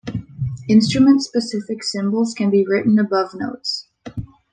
Instrument-specific symbols can be written above notes.